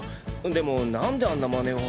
でも何であんな真似を。